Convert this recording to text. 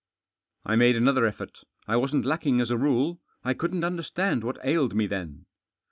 I made another effort. I wasn't lacking as a rule. I couldn't understand what ailed me then.